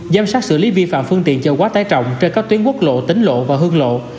giám sát xử lý vi phạm phương tiện chở quá tải trọng trên các tuyến quốc lộ tính lộ và hương lộ